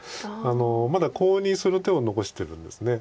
まだコウにする手を残してるんです。